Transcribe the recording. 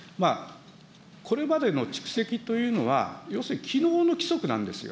これまでの蓄積というのは、要するにきのうの規則なんですよ。